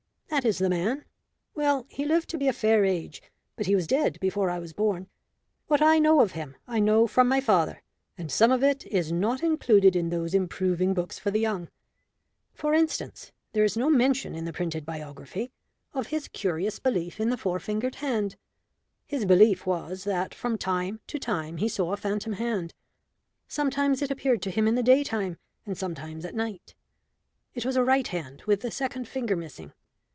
"That is the man. Well, he lived to be a fair age, but he was dead before I was born. What I know of him I know from my father, and some of it is not included in those improving books for the young. For instance, there is no mention in the printed biography of his curious belief in the four fingered hand. His belief was that from time to time he saw a phantom hand. Sometimes it appeared to him in the daytime, and sometimes at night. It was a right hand with the second finger missing.